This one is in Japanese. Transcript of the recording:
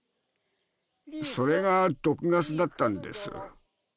それが毒ガスだったんです